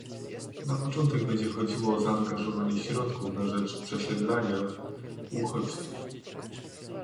Na początek będzie chodziło o zaangażowanie środków na rzecz przesiedlania uchodźców